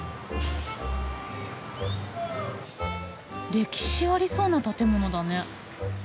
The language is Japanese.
歴史ありそうな建物だね。